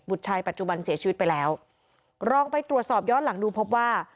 ชายปัจจุบันเสียชีวิตไปแล้วลองไปตรวจสอบย้อนหลังดูพบว่า